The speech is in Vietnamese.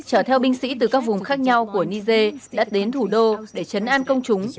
chở theo binh sĩ từ các vùng khác nhau của niger đã đến thủ đô để chấn an công chúng